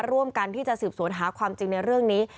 ร่วมกันที่จะสืบสวนหาความจริงในเรื่องนี้